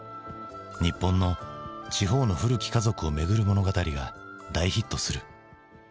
日本の地方の古き家族をめぐる物語が大ヒットする。